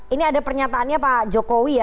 ini ada pernyataannya pak jokowi ya